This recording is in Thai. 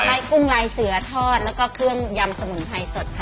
กุ้งลายเสือทอดแล้วก็เครื่องยำสมุนไพรสดค่ะ